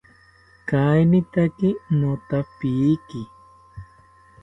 Kainitaki nothapiki